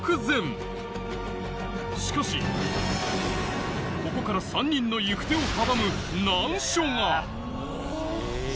しかしここから３人の行く手を阻む難所が！